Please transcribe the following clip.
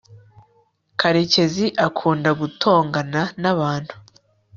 karekezi akunda gutongana n'abantu